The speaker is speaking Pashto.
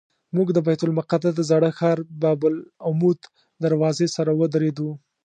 موږ د بیت المقدس د زاړه ښار باب العمود دروازې سره ودرېدو.